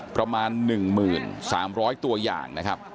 ประมาณหนึ่งหมื่นสามร้อยตัวอย่างนะครับ